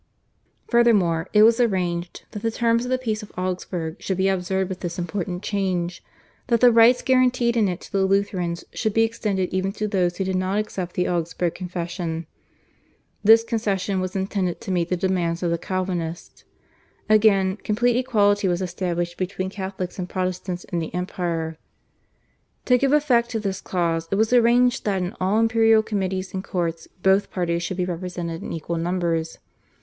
Furthermore, it was arranged that the terms of the Peace of Augsburg should be observed, with this important change, that the rights guaranteed in it to the Lutherans should be extended even to those who did not accept the Augsburg Confession. This concession was intended to meet the demands of the Calvinists. Again, complete equality was established between Catholics and Protestants in the empire. To give effect to this clause it was arranged that in all imperial committees and courts both parties should be represented in equal numbers.